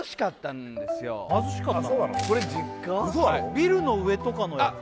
ビルの上とかのやつ？